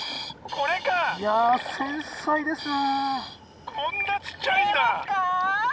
いや繊細ですね。